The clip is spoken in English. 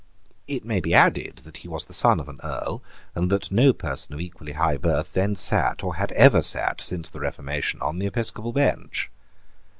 It may be added, that he was the son of an Earl; and that no person of equally high birth then sate, or had ever sate, since the Reformation, on the episcopal bench.